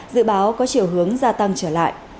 dự báo có chiều hướng gia tăng trở lại